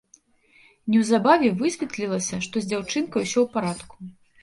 Неўзабаве высветлілася, што з дзяўчынкай усё ў парадку.